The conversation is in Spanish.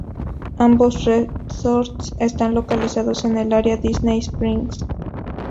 Ambos resorts están localizados en el área Disney Springs.